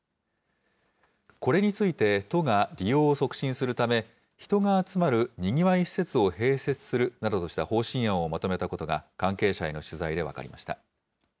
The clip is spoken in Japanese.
これについて、都が利用を促進するため、人が集まるにぎわい施設を併設するなどとした方針案をまとめたことが、関係者への取材で分かりました。